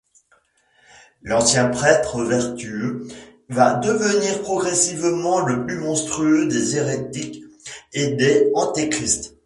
L'ancien prêtre vertueux va devenir progressivement le plus monstrueux des hérétiques et des antéchrist.